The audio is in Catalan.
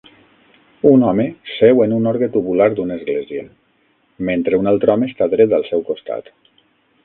Un home seu en un orgue tubular d'una església, mentre un altre home està dret al seu costat.